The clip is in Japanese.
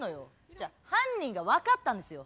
違う犯人が分かったんですよ。